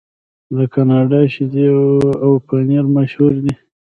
د کاناډا شیدې او پنیر مشهور دي.